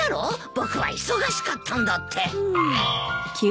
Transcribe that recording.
僕は忙しかったんだって。